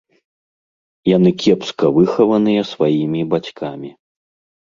Яны кепска выхаваныя сваімі бацькамі.